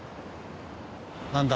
何だ？